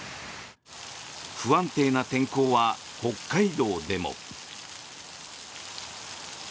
不安定な天候は北海道でも。